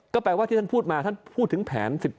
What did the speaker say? ก็แปลว่าที่ท่านพูดมาท่านพูดถึงแผน๑๗